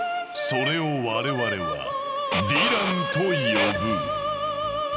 それを我々は「ヴィラン」と呼ぶ。